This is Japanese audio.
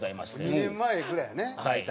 ２年前ぐらいやね大体。